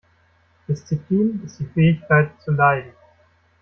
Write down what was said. Disziplin ist die Fähigkeit zu leiden.